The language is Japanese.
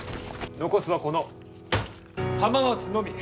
残すはこの浜松のみ。